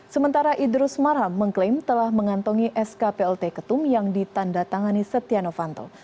sementara idrus marham mengklaim telah mengantongi sk plt ketum yang ditanda tangani setia novanto